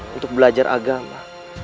untuk belajar agama